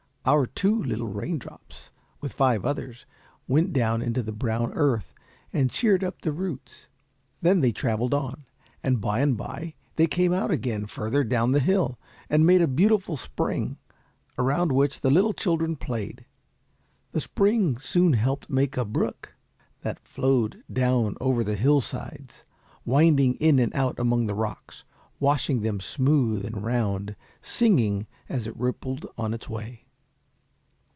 Our two little raindrops with five others, went down into the brown earth and cheered up the roots. Then they travelled on, and by and by they came out again further down the hill, and made a beautiful spring, around which little children played. The spring soon helped make a brook, that flowed down over the hillsides, winding in and out among the rocks, washing them smooth and round, singing as it rippled on its way.